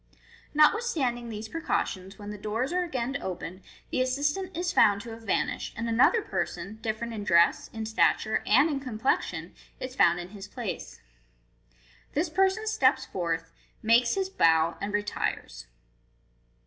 Notwithstanding these precautions, when the doors are again opened, the assistant is found to have vanished, and another person, dif ferent in dress, in stature, and in complexion, is found in his place. This person steps forth, makes his bow, and retires.